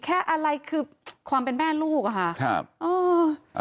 แค่อะไรคือความเป็นแม่ลูกค่ะ